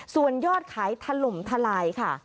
ส่วนยอดขายถล่มทลายค่ะ